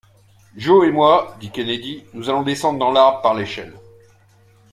Joe et moi, dit Kennedy, nous allons descendre dans l’arbre par l’échelle.